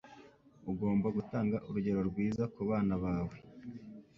Ugomba gutanga urugero rwiza kubana bawe.